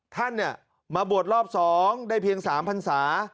ท่านมาบวชรอบ๒ได้เพียง๓พันศา